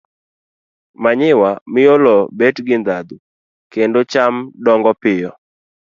Manyiwa miyo lowo bet gi ndhadhu kendo cham dongo piyo.